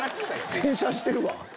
洗車してるわ。